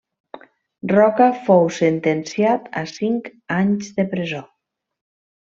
Roca fou sentenciat a cinc anys de presó.